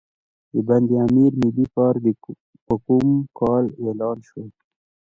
د بند امیر ملي پارک په کوم کال اعلان شو؟